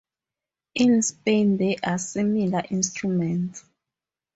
In Spain there are similar instruments.